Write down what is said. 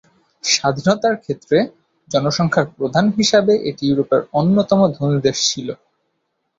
স্বাধীনতার ক্ষেত্রে, জনসংখ্যার প্রধান হিসাবে এটি ইউরোপের অন্যতম ধনী দেশ ছিল।